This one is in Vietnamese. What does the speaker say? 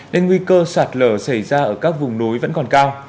nên nguy cơ sạt lở xảy ra ở các vùng núi vẫn còn cao